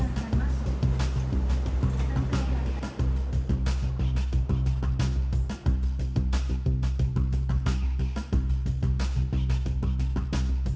lalu telepon pengantin